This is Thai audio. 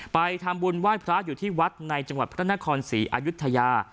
ไปทำบุญไหว้พระอยู่ที่วัดในจังหวัดพระนครศรีอายุทยา